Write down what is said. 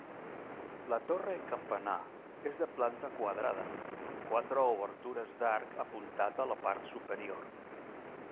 La torre-campanar és de planta quadrada, amb quatre obertures d'arc apuntat a la part superior.